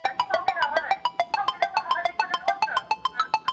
ازل مي دي په وینو کي نغمې راته کرلي٫